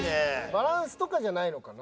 バランスとかじゃないのかな？